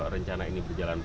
rencana ini berjalan